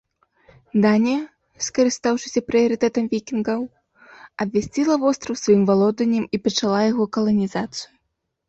Данія, скарыстаўшыся прыярытэтам вікінгаў, абвясціла востраў сваім валоданнем і пачала яго каланізацыю.